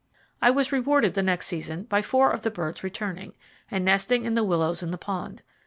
I was rewarded the next season by four of the birds returning, and nesting in the willows in the pond.